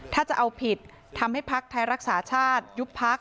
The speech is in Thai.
ถ้าจะเอาผิดทำให้พักไทยรักษาชาติยุบพัก